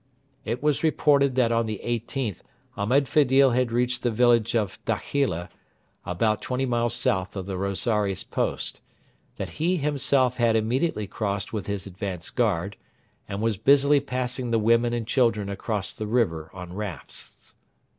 It was reported that on the 18th Ahmed Fedil had reached the village of Dakhila, about twenty miles south of the Rosaires post; that he himself had immediately crossed with his advanced guard, and was busily passing the women and children across the river on rafts.